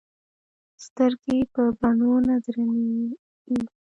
سترګې په بڼو نه درنې ايږي